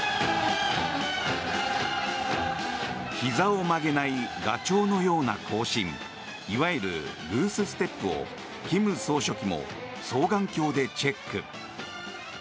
ひざを曲げないガチョウのような行進いわゆるグースステップを金総書記も双眼鏡でチェック。